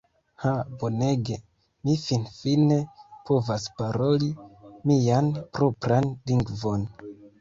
"Ha bonege! Mi finfine povas paroli mian propran lingvon!"